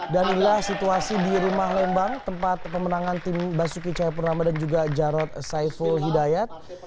dan inilah situasi di rumah lembang tempat pemenangan tim basuki cayapurnama dan juga jarod saiful hidayah